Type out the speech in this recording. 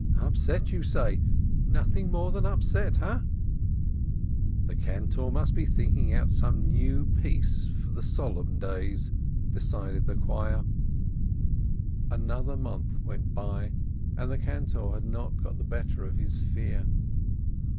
"Upset, you say? Nothing more than upset, ha? That's all?" "The cantor must be thinking out some new piece for the Solemn Days," decided the choir. 412 RAISIN" Another month went by, and the cantor had not got the better of his fear.